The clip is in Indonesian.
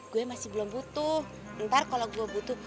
gue masih belum butuh